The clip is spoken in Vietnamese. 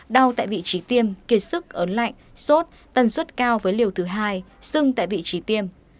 đau tại vị trí tiêm kỳ sức ớn lạnh sốt tần suất cao với liều thứ hai sưng tại vị trí tiêm